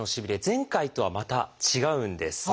前回とはまた違うんです。